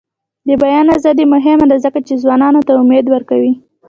د بیان ازادي مهمه ده ځکه چې ځوانانو ته امید ورکوي.